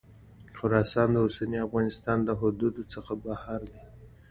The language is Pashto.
خراسان د اوسني افغانستان له حدودو څخه بهر دی.